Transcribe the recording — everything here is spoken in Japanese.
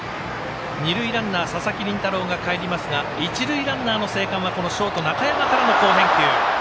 二塁ランナー佐々木麟太郎がかえりますが一塁ランナーの生還はショート中山からの好返球。